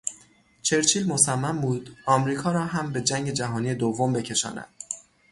چرچیل مصمم بود امریکا را هم به جنگ جهانی دوم بکشاند.